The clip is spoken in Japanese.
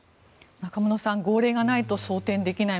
中室さん、号令がないと装てんできない。